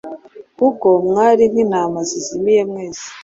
kuko mwari nk’intama zizimiye mwese